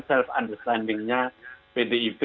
self understanding nya pdiv